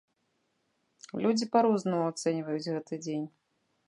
Людзі па-рознаму ацэньваюць гэты дзень.